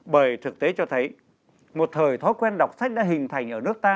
bởi thực tế cho thấy một thời thói quen đọc sách đã hình thành ở nước ta